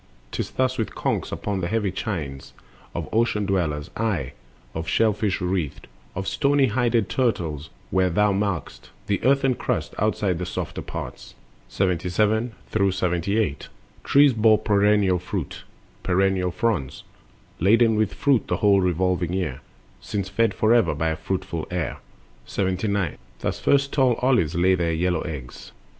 'Tis thus with conchs upon the heavy chines Of ocean dwellers, aye, of shell fish wreathed, Or stony hided turtles, where thou mark'st The earthen crust outside the softer parts. 77 78. Trees bore perennial fruit, perennial fronds, Laden with fruit the whole revolving year, Since fed forever by a fruitful air. 79. Thus first tall olives lay their yellow eggs.